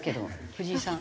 藤井さん。